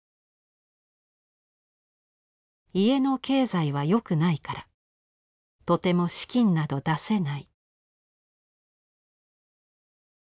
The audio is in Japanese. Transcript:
「家の経済は良くないからとても資金など出せない」。